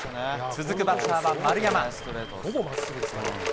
続くバッターは丸山。